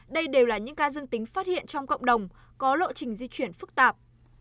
đây đều là những ca dương tính phát hiện trong cộng đồng có lộ trình di chuyển phức tạp